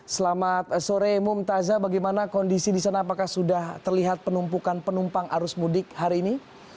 selamat sore mumtazah bagaimana kondisi di sana apakah sudah terlihat penumpukan penumpang arus mudik hari ini